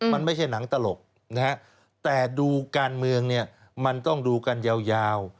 มันไม่ใช่หนังตลกนะฮะแต่ดูการเมืองเนี่ยมันต้องดูกันยาว